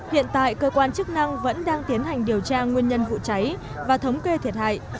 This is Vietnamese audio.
hiện tại cơ quan chức năng vẫn đang tiến hành điều tra nguyên nhân vụ cháy và thống kê thiệt hại